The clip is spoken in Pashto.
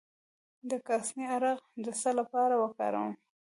د کاسني عرق د څه لپاره وکاروم؟